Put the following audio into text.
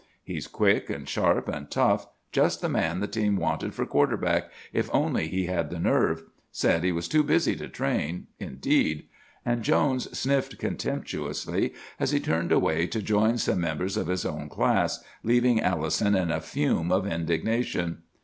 He's quick, and sharp, and tough; just the man the team wanted for quarter back, if only he had the nerve! Said he was too busy to train—indeed!' and Jones sniffed contemptuously as he turned away to join some members of his own class, leaving Allison in a fume of indignation.